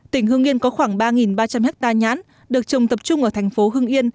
tỉnh hưng yên có khoảng ba ba trăm linh hectare nhãn được trồng tập trung ở thành phố hưng yên